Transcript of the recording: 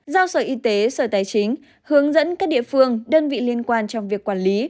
giao sở y tế sở tài chính hướng dẫn các địa phương đơn vị liên quan trong việc quản lý